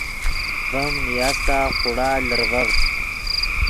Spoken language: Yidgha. ڤیم نیاستا خوڑا لرڤڤد